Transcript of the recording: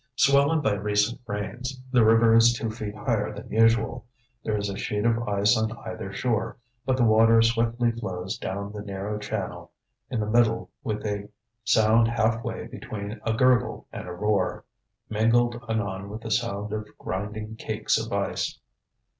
Swollen by recent rains, the river is two feet higher than usual. There is a sheet of ice on either shore, but the water swiftly flows down the narrow channel in the middle with a sound halfway between a gurgle and a roar, mingled anon with the sound of grinding cakes of ice.